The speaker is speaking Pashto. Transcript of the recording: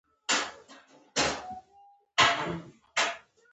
د مالدارۍ لپاره د څارویو استراحت او خوراک مهم دی.